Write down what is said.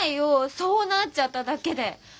そうなっちゃっただけで！